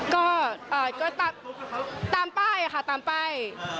ก็ตามป้ายค่ะตามป้าย